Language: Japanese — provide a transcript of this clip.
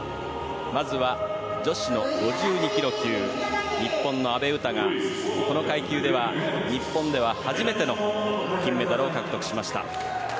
まずは女子の５２ｋｇ級日本の阿部詩がこの階級では日本では初めての金メダルを獲得しました。